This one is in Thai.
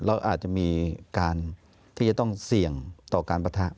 เราอาจจะมีการที่จะต้องเสี่ยงต่อการปะทะ